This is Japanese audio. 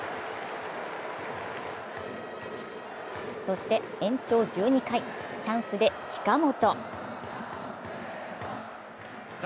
そして延長１２回、チャンスで近本。